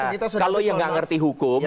kalau yang nggak ngerti hukum